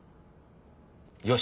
よし。